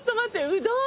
うどん！